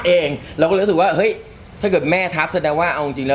เองเราก็เลยรู้สึกว่าเฮ้ยถ้าเกิดแม่ทับแสดงว่าเอาจริงจริงแล้ว